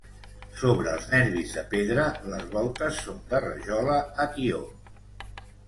Sobre els nervis de pedra, les voltes són de rajola a tió.